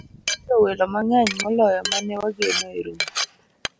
ne wayudo welo mang'eny moloyo ma ne wageno e romo